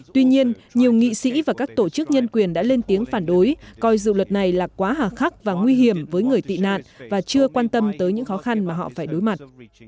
tuy nhiên nhiều nghị sĩ và các tổ chức nhân quyền đã lên tiếng phản đối coi dự luật này là quá hà khắc và nguy hiểm với người tị nạn và chưa quan tâm tới những khó khăn mà họ phải đối mặt